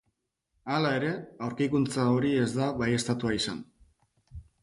Hala ere, aurkikuntza hori ez da baieztatua izan.